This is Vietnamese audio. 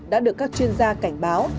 đã được các chuyên gia cảnh báo